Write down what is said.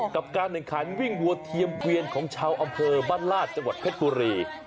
กับการแข่งขันวิ่งวัวเทียมเกวียนของชาวอำเภอบ้านลาดจังหวัดเพชรบุรี